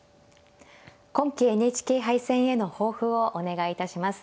今期ＮＨＫ杯戦への抱負をお願いいたします。